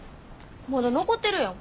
まだ残ってるやん。